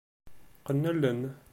Qqen allen.